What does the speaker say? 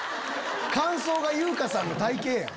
感想が優香さんの体形やん。